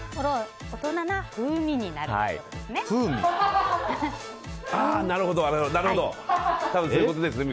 大人な風味になるということですね。